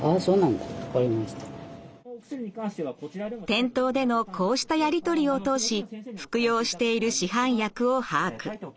店頭でのこうしたやり取りを通し服用している市販薬を把握。